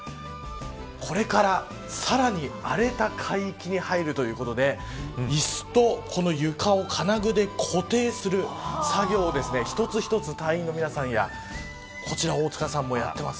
これからさらに荒れた海域に入るということで椅子と床を金具で固定する作業を一つ一つ、隊員の皆さんや大塚さんもやってます。